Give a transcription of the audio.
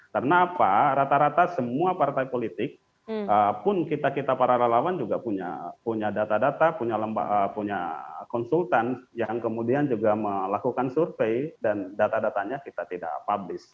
karena apa rata rata semua partai politik pun kita kita para relawan juga punya data data punya konsultan yang kemudian juga melakukan survei dan data datanya kita tidak publis